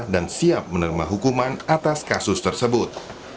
dan siap menerima hukuman atas kasus tersebut